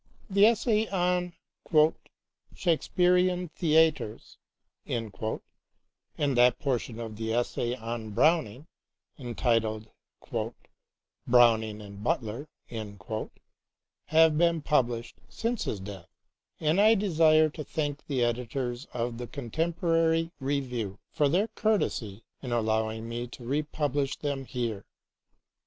The essay on " Shakespearean Theatres," and that portion of the essay on Browning entitled " Browning and Butler," have been published since his death, and I desire to thank the editors of the Contemforary Review for their courtesy in allowing me to republish them here.